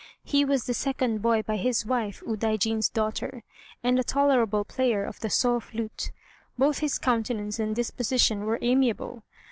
He was the second boy by his wife, Udaijin's daughter, and a tolerable player on the Sôh flute. Both his countenance and disposition were amiable.